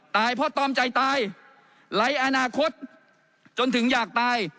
ตายเพราะตอมใจตายไร้อนาคตจนถึงอยากตาย